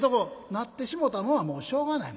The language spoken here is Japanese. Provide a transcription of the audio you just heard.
「なってしもうたのはもうしょうがない」。